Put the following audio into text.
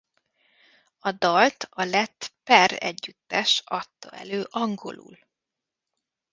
A dalt a lett PeR együttes adta elő angolul.